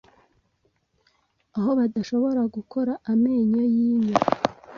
Aho badashobora gukora amenyo yinyo